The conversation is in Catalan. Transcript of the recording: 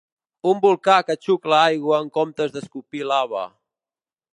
Un volcà que xucla aigua en comptes d'escopir lava.